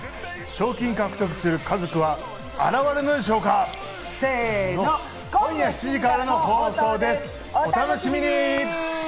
賞金獲得する家族は現れるのせの、今夜７時からの放送です、お楽しみに！